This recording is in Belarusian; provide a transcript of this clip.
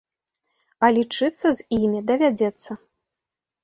А лічыцца з імі давядзецца.